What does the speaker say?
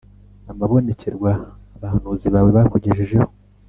Amabonekerwa abahanuzi bawe bakugejejeho,